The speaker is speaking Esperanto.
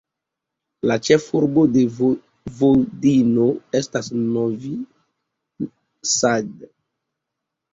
La ĉefurbo de Vojvodino estas Novi Sad.